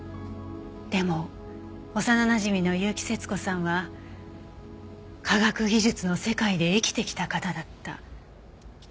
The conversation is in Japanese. でも幼なじみの結城節子さんは科学技術の世界で生きてきた方だった。